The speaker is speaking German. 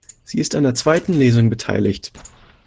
Sie ist an der zweiten Lesung beteiligt.